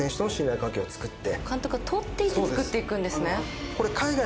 監督が取っていってつくっていくんですね。